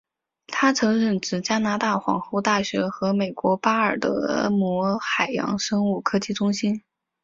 他曾任职加拿大皇后大学和美国巴尔的摩海洋生物科技中心。